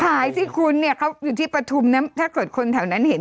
หายสิคุณเนี่ยเขาอยู่ที่ปฐุมนะถ้าเกิดคนแถวนั้นเห็น